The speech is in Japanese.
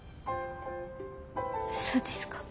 そうですか。